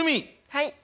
はい！